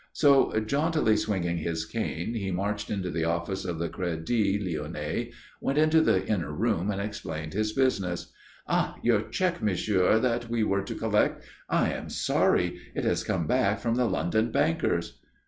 So, jauntily swinging his cane, he marched into the office of the Crédit Lyonnais, went into the inner room and explained his business. "Ah, your cheque, monsieur, that we were to collect. I am sorry. It has come back from the London bankers."